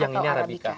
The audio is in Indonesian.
yang ini arabica